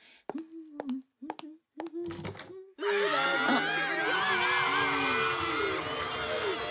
あっ。